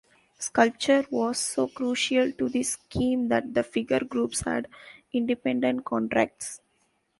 Sculpture was so crucial to the scheme that the figure groups had independent contracts.